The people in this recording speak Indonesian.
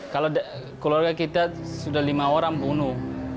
kalau keluarga kita sudah lima orang bunuh